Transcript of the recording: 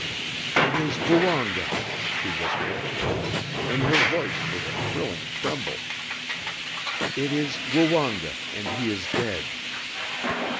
"It is Woonga," she whispered. In her voice was a thrilling tremble. "It is Woonga, and he is dead!"